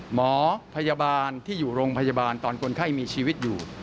หมอพยาบาลที่อยู่โรงพยาบาลตอนคนไข้มีชีวิตอยู่